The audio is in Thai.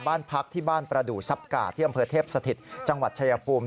บ้านพักที่บ้านประดูกซับกาที่อำเภอเทพสถิตจังหวัดชายภูมิ